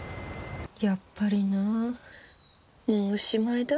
やっぱりなもうおしまいだ。